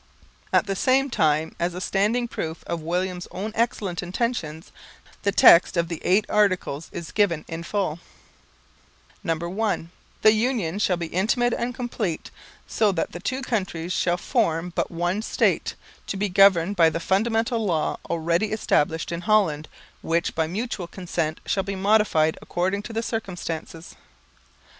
At the same time, as a standing proof of William's own excellent intentions, the text of the Eight Articles is given in full: (1) _The union shall be intimate and complete, so that the two countries shall form but one State, to be governed by the Fundamental Law already established in Holland, which by mutual consent shall be modified according to the circumstances.